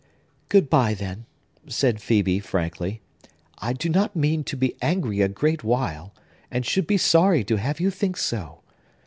"Good by, then," said Phœbe frankly. "I do not mean to be angry a great while, and should be sorry to have you think so.